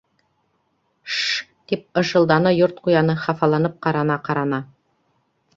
—Ш-ш-ш, —тип ышылданы Йорт ҡуяны, хафаланып ҡара- на-ҡарана.